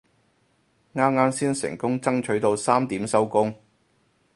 啱啱先成功爭取到三點收工